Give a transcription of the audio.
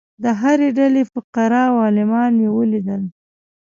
د هرې ډلې فقراء او عالمان مې ولیدل.